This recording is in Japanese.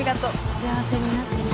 幸せになってね